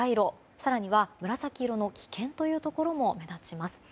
更には紫色の危険というところも目立ちます。